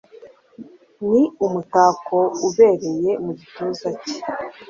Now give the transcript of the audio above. ni umutako ubereye ku gituza cye